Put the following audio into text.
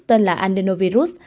tên là andenovirus